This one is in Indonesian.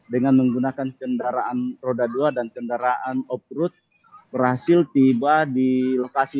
dengan menggunakan kendaraan roda dua dan kendaraan off road berhasil tiba di lokasi